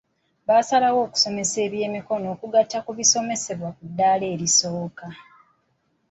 Basalawo okusomesa ebyemikono okugatta ku bisomesebwa ku ddala erisooka.